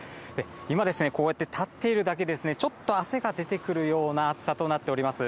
今ですね、こうやって立っているだけで、ちょっと汗が出てくるような暑さとなっております。